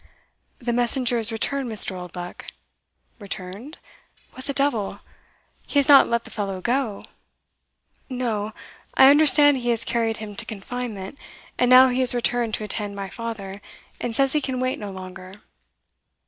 "The messenger is returned, Mr. Oldbuck." "Returned? What the devil! he has not let the fellow go?" "No I understand he has carried him to confinement; and now he is returned to attend my father, and says he can wait no longer."